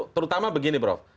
terutama begini prof